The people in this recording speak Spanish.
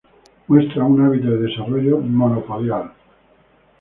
Muestra un hábito de desarrollo monopodial.